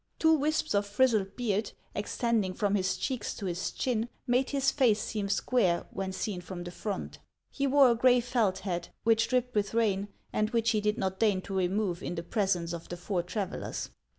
Two wisps of frizzled beard, ex tending from his cheeks to his chin, made his face seem square when seen from the front. He wore a gray felt hat, which dripped with rain, and which he did not deign to remove in the presence of the four travellers.